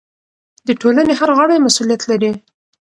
د ټولنې هر غړی مسؤلیت لري.